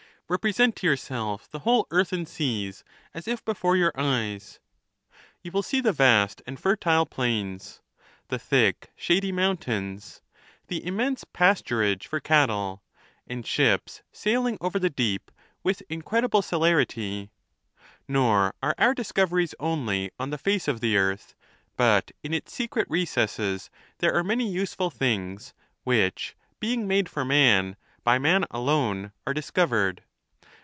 Repre sent to yourself the whole earth and seas as if before your eyes. You will see the vast and fertile plains, the thick, shady mountains, the immense pasturage for cattle, and ships sailing over the deep with incredible celerity; nor are our discoveries only on the face of the earth, but in its secret recesses there are many useful things, which be ing made for man, by man alone are discovered.